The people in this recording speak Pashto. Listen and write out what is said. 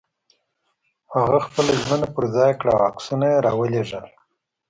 هغه خپله ژمنه پر ځای کړه او عکسونه یې را ولېږل.